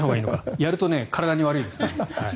やると体に悪いです。